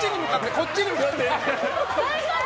こっちに向かって。